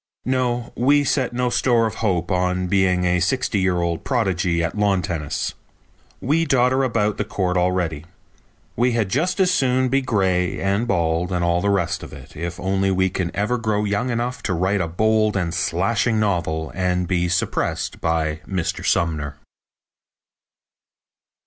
No, we set no store of hope on being a sixty year old prodigy at lawn tennis. We dodder about the court already. We had just as soon be gray and bald and all the rest of it if only we can ever grow young enough to write a bold and slashing novel and be suppressed by Mr. Sumner.